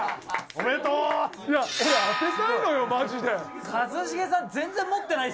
俺、当てたいのよ、マジで。